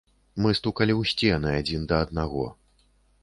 Мы стукалі ў сцены адзін да аднаго.